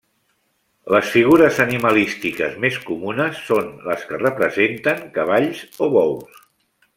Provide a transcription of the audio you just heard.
Les figures animalístiques més comunes són les que representen cavalls o bous.